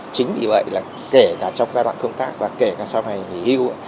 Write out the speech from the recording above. chính vì vậy là kể cả trong giai đoạn công tác và kể cả sau này nghỉ hưu